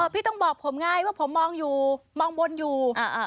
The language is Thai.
พี่ต้องบอกผมไงว่าผมมองอยู่มองบนอยู่